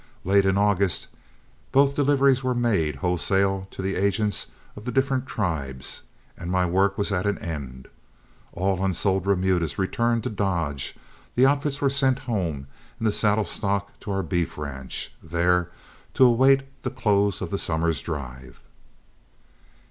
Late in August both deliveries were made wholesale to the agents of the different tribes, and my work was at an end. All unsold remudas returned to Dodge, the outfits were sent home, and the saddle stock to our beef ranch, there to await the close of the summer's drive.